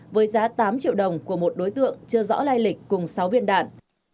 với giá tám triệu đồng của một đối tượng chưa rõ lai lịch cùng sáu viên đạn